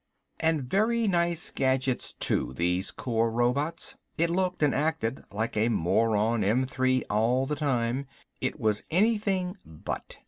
And very nice gadgets too, these Corps robots. It looked and acted like a moron M 3 all the time. It was anything but.